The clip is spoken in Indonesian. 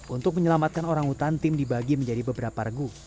untuk menyelamatkan orang hutan tim dibagi menjadi beberapa regu